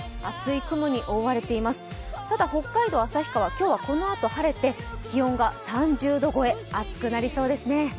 今日はこのあと晴れて気温が３０度超え暑くなりそうですね。